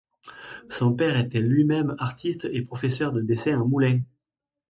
Son père était lui-même artiste et professeur de dessin à Moulins.